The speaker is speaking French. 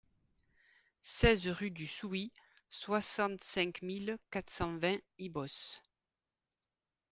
seize rue du Souy, soixante-cinq mille quatre cent vingt Ibos